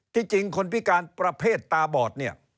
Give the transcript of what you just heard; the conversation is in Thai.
จริงคนพิการประเภทตาบอดเนี่ย